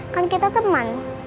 kan kita teman